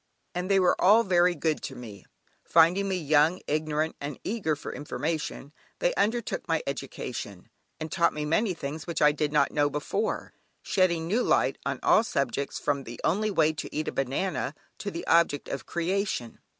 And they were all very good to me. Finding me young, ignorant, and eager for information, they undertook my education, and taught me many things which I did not know before, shedding new light on all subjects, from "the only way to eat a banana," to the object of creation.